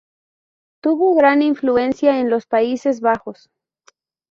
Tuvo gran influencia en los Países Bajos.